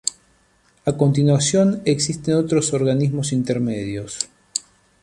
A continuación existen otros organismos intermedios.